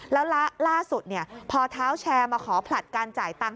แล้วล่าสุดพอเท้าแชร์มาขอผลัดการจ่ายตัง